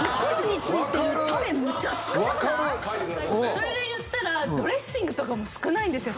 それでいったらドレッシングとかも少ないんですよ。